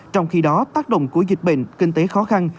trong khi đó tác động của dịch bệnh kinh tế khó khăn